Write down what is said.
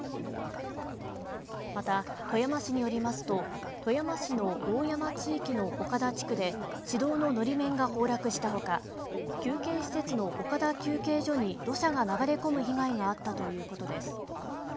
また、富山市によりますと富山市の大山地域の岡田地区で市道ののり面が崩落したほか休憩施設の岡田休憩所に土砂が流れ込む被害があったということです。